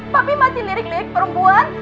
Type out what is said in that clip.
papi mati lirik lirik perempuan